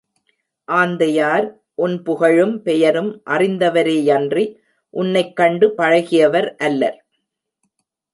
ஆந்தையார், உன் புகழும், பெயரும் அறிந்தவரேயன்றி, உன்னைக் கண்டு பழகியவர் அல்லர்.